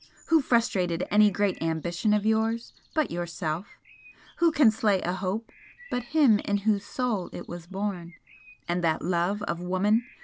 Who frustrated any great ambition of yours but yourself? Who can slay a hope but him in whose soul it was born? And that love of woman?